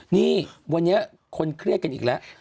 นี่วันนี้คนเครียดกันอีกแล้ว